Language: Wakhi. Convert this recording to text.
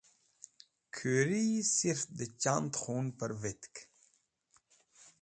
Kũriyi sirf dẽ chand khondon pẽrvetk.